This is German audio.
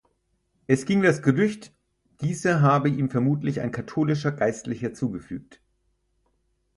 Es ging das Gerücht, diese habe ihm vermutlich ein katholischer Geistlicher zugefügt.